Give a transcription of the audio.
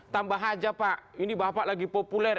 tambah aja pak ini bapak lagi populer